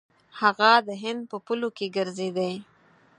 هغه د هند په پولو کې ګرځېدی.